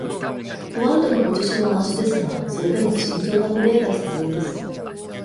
ホワイトのポジションはましですが、それでも慎重なプレーが必要です。